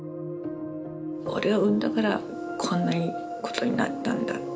俺を産んだからこんなことになったんだって。